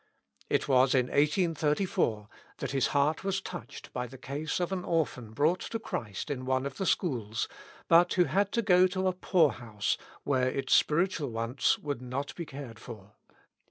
It was iu 1S34 that his heart was touched by the case of an orphan brought to Christ in one of the schools, but who had to go to a poorhouse where its spiritual wants would not be cared for.